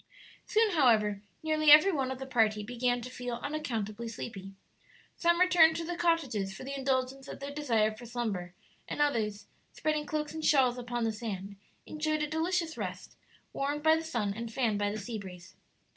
Soon, however, nearly every one of the party began to feel unaccountably sleepy. Some returned to the cottages for the indulgence of their desire for slumber, and others, spreading cloaks and shawls upon the sand, enjoyed a delicious rest, warmed by the sun and fanned by the sea breeze.